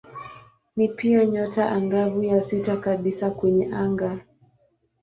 Ni pia nyota angavu ya sita kabisa kwenye anga.